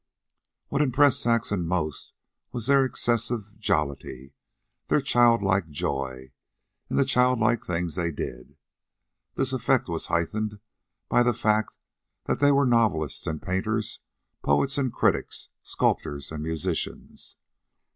What impressed Saxon most was their excessive jollity, their childlike joy, and the childlike things they did. This effect was heightened by the fact that they were novelists and painters, poets and critics, sculptors and musicians.